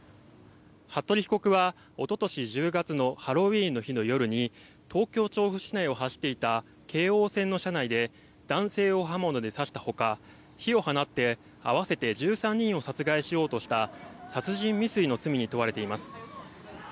服部被告はおととし１０月のハロウィーンの日の夜に東京・調布市内を走っていた京王線の車内で男性を刃物で刺したほか火を放って、合わせて１３人を殺害しようとした殺人未遂の罪に問われています。